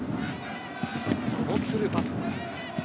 このスルーパス。